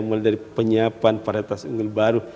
mulai dari penyiapan varietas unggul baru